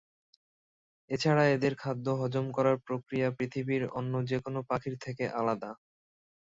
এছাড়া এদের খাদ্য হজম করার প্রক্রিয়া পৃথিবীর অন্য যেকোন পাখির থেকে আলাদা।